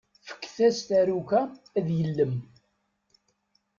Fket-as taruka ad yellem.